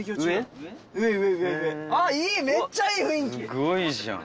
すごいじゃん。